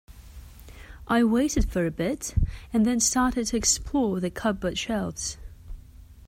I waited for a bit, and then started to explore the cupboard shelves.